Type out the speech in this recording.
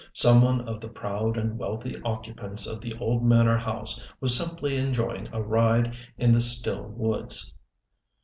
Some one of the proud and wealthy occupants of the old manor house was simply enjoying a ride in the still woods.